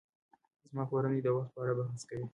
زما کورنۍ د وخت په اړه بحث کوي.